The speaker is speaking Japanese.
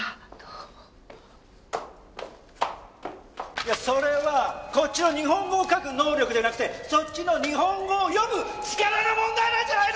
いやそれはこっちの日本語を書く能力じゃなくてそっちの日本語を読む力の問題なんじゃないの！？